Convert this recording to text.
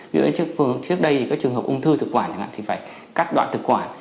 ví dụ như trước đây các trường hợp ung thư thực quản thì phải cắt đoạn thực quản